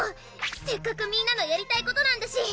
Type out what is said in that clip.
せっかくみんなのやりたいことなんだし！